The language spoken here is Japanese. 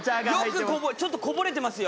ちょっとこぼれてますよ。